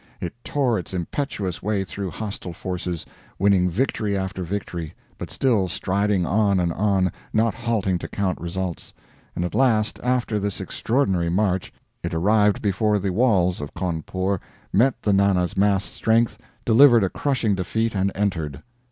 It tore its impetuous way through hostile forces, winning victory after victory, but still striding on and on, not halting to count results. And at last, after this extraordinary march, it arrived before the walls of Cawnpore, met the Nana's massed strength, delivered a crushing defeat, and entered.